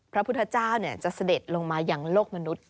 พระพุทธเจ้าจะเสด็จลงมาอย่างโลกมนุษย์